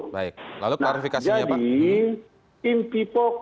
baik lalu klarifikasinya pak